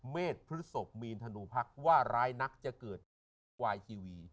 เมธพฤษภมีนธนูพักว่าร้ายนักจะเกิดอาจจะหวายชีวี